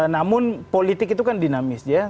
namun politik itu kan dinamis ya